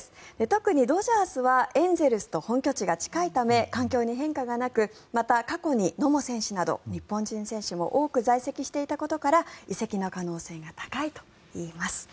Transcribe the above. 特にドジャースはエンゼルスと本拠地が近いため環境に変化がなくまた、過去に野茂選手など日本人選手も多く在籍していたことから移籍の可能性が高いといいます。